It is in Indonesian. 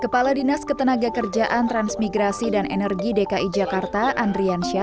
pemprov dki jakarta